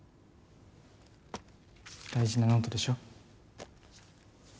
大事なノートでしょ？